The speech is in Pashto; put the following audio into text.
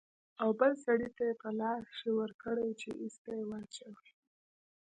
او بل سړي ته يې په لاس کښې ورکړې چې ايسته يې واچوي.